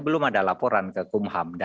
belum ada laporan ke kumham